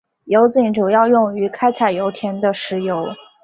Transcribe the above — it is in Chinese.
油井主要用于开采油田的石油。